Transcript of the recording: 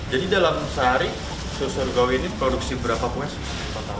jadi dalam sehari sus surgawi ini produksi berapa kue sus